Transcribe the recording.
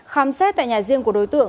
khám xét tại nhà riêng của đối tượng